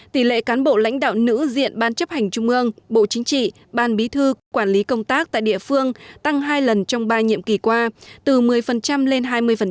tỷ lệ cán bộ lãnh đạo nữ diện ban chấp hành trung ương bộ chính trị ban bí thư quản lý công tác tại địa phương tăng hai lần trong ba nhiệm kỳ qua từ một mươi lên hai mươi